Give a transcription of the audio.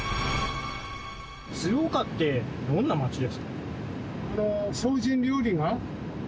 鶴岡ってどんな町ですか？